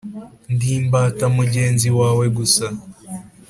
Ndi imbata mugenzi wawe gusa